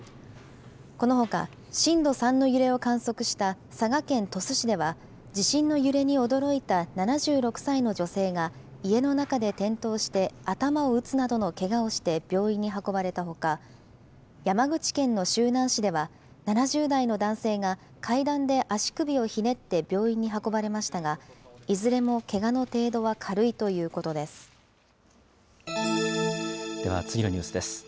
このほか、震度３の揺れを観測した佐賀県鳥栖市では、地震の揺れに驚いた７６歳の女性が家の中で転倒して、頭を打つなどのけがをして病院に運ばれたほか、山口県の周南市では、７０代の男性が階段で足首をひねって病院に運ばれましたが、いずれもけがの程度は軽いということです。